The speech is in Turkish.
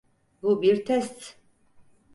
Bu bir test.